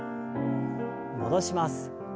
戻します。